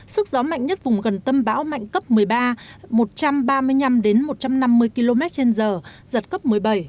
sức gió mạnh nhất vùng gần tâm bão mạnh cấp một mươi ba một trăm ba mươi năm một trăm năm mươi km trên giờ giật cấp một mươi bảy